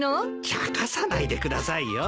ちゃかさないでくださいよ。